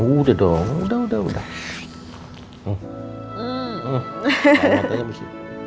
udah dong udah udah